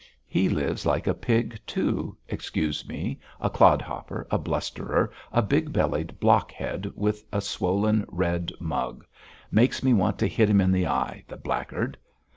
He lives like a pig, too, excuse me, a clodhopper, a blusterer, a big bellied blockhead, with a swollen red mug makes me want to hit him in the eye, the blackguard.